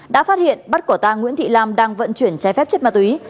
đã phát hiện bắt của ta nguyễn thị lam đang vận chuyển trái phép chất ma túy